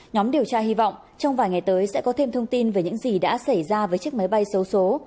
nhóm điều tra hy vọng trong vài ngày tới sẽ có thêm thông tin về những gì đã xảy ra với chiếc máy bay xấu xố